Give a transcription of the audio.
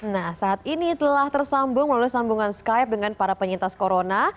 nah saat ini telah tersambung melalui sambungan skype dengan para penyintas corona